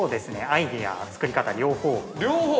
アイデア、作り方、両方。